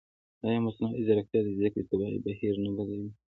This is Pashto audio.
ایا مصنوعي ځیرکتیا د زده کړې طبیعي بهیر نه بدلوي؟